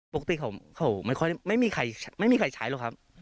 ปกติเค้าไม่มีใครใช้เหรอครับ